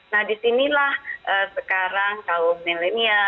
nah di sinilah sekarang tahun milenial